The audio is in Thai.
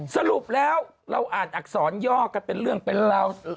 สรุปแล้วเราอ่านอักษรย่อกันเป็นเรื่องเป็นราว